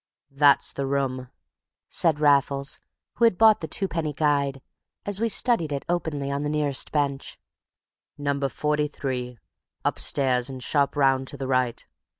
"That's the room," said Raffles, who had bought the two penny guide, as we studied it openly on the nearest bench; "number 43, upstairs and sharp round to the right.